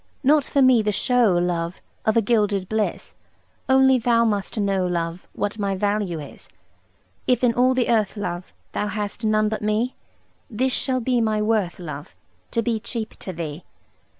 Not for me the show, love, Of a gilded bliss; Only thou must know, love, What my value is. If in all the earth, love, Thou hast none but me, This shall be my worth, love: To be cheap to thee.